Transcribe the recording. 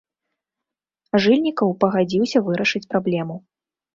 Жыльнікаў пагадзіўся вырашыць праблему.